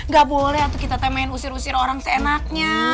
gak boleh tuh kita pengen usir usir orang seenaknya